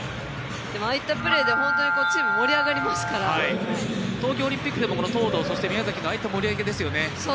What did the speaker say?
でもああいったプレーで本当、チーム盛り上がりますから東京オリンピックでもこの東藤、宮崎のああいった盛り上げ方ですよね。